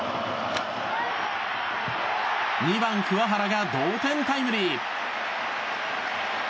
２番、桑原が同点タイムリー！